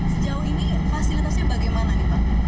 sejauh ini fasilitasnya bagaimana nih pak